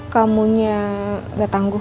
kamunya nggak tangguh